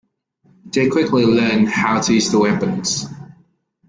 They quickly learned how to use the weapons.